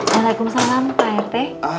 waalaikumsalam pak rt